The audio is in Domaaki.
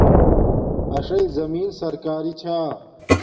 اݽݵ زمیں سرکاری چھا